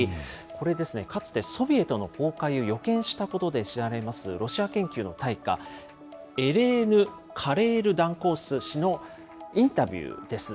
これですね、かつてソビエトの崩壊を予見したことで知られますロシア研究の大家、エレーヌ・カレールダンコース氏へのインタビューです。